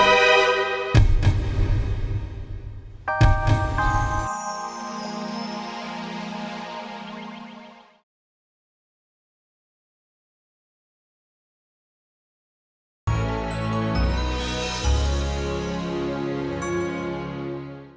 ya udah kita jalan dulu